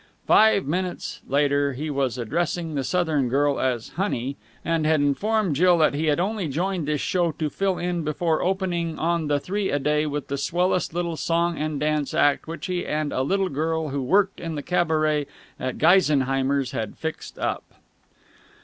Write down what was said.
Five minutes later he was addressing the Southern girl as "honey," and had informed Jill that he had only joined this show to fill in before opening on the three a day with the swellest little song and dance act which he and a little girl who worked in the cabaret at Geisenheimer's had fixed up.